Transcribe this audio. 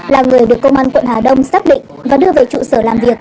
là người được công an quận hà đông xác định và đưa về trụ sở làm việc